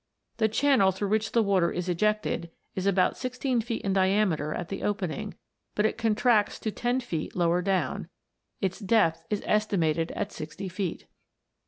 The channel through which the water is ejected is about sixteen feet in diameter at the opening, but it contracts to ten feet lower down ; its depth is estimated at sixty feet.